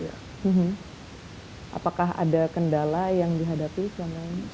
apakah ada kendala yang dihadapi selama ini